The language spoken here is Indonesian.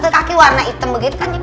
kaki warna hitam begitu kan